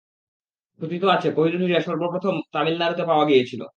কথিত আছে, কহিনূর হীরা সর্বপ্রথম তামিলনাড়ুতে পাওয়া গিয়েছিল।